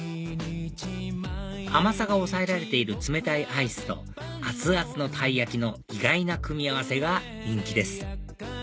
甘さが抑えられている冷たいアイスと熱々のたい焼きの意外な組み合わせが人気です